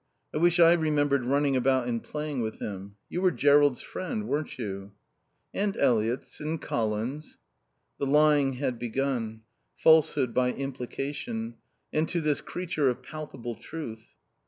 I wish I remembered running about and playing with him.... You were Jerrold's friend, weren't you?" "And Elliot's and Colin's." The lying had begun. Falsehood by implication. And to this creature of palpable truth.